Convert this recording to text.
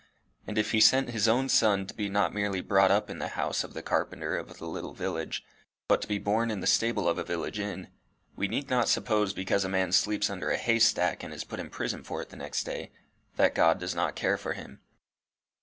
And if he sent his own son to be not merely brought up in the house of the carpenter of a little village, but to be born in the stable of a village inn, we need not suppose because a man sleeps under a haystack and is put in prison for it next day, that God does not care for him."